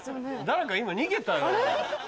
誰か今逃げたよ。